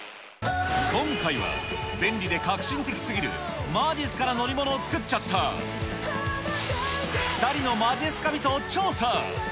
今回は、便利で革新的すぎる、まじっすかな乗り物を作っちゃった、２人のまじっすか人を調査。